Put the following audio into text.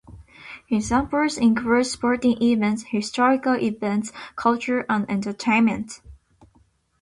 Examples include sporting events, historical events, culture, and entertainment.